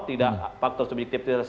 tidak faktor subjektif